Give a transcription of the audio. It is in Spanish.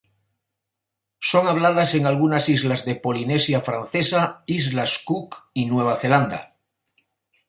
Son habladas en algunas islas de Polinesia Francesa, islas Cook y Nueva Zelanda.